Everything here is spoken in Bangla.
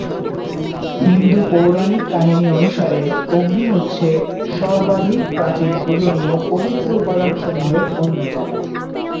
হিন্দু পৌরাণিক কাহিনী অনুসারে অগ্নি হচ্ছে সর্বাধিক প্রাচীন পূজনীয় পবিত্র উপাদানসমূহের অন্যতম।